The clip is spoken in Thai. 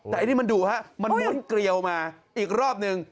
แต่อันนี้มันดุฮะมันม้วนเกลียวมาอีกรอบนึง